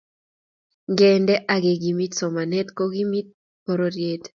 ngendee ak kekimit somanet ko kimiti pororiet